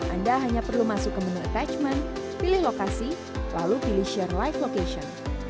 anda hanya perlu masuk ke menu attachment pilih lokasi lalu pilih share live location